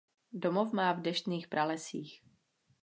Domov má v deštných pralesích.